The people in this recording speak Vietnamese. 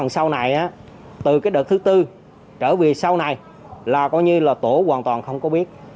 sau này từ đợt thứ tư trở về sau này là coi như là tổ hoàn toàn không có biết